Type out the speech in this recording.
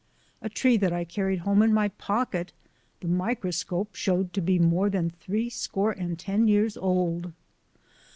A tree that I carried home in my pocket the micro scope showed to be more than three score and ten years old!